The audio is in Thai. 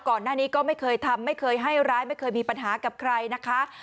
ก่อนหน้านี้ก็ไม่เคยทำไม่เคยให้ร้ายไม่เคยมีปัญหากับใครนะคะ